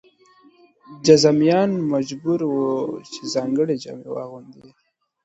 جذامیان مجبور وو چې ځانګړې جامې واغوندي.